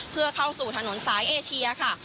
เพื่อเข้าสู่ถนนสายเอเชียค่ะ